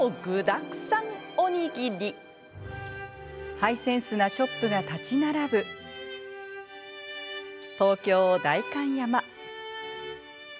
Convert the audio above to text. ハイセンスなショップが建ち並ぶ東京・代官山。